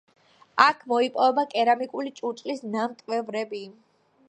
აქ მოიპოვება კერამიკული ჭურჭლის ნამტვრევები.